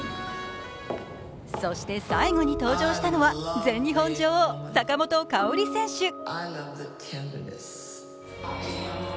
そして最後に登場したのは全日本女王・坂本花織選手。